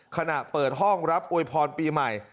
ขณะเปิดห้องรับอวยพรปีใหม่